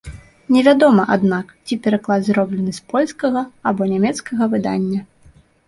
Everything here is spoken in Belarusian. Невядома, аднак, ці пераклад зроблены з польскага або нямецкага выдання.